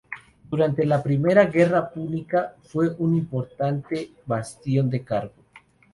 Durante la primera guerra púnica fue un importante bastión de Cartago.